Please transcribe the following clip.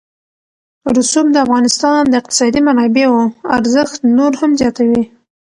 رسوب د افغانستان د اقتصادي منابعو ارزښت نور هم زیاتوي.